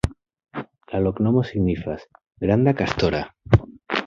La loknomo signifas: granda-kastora.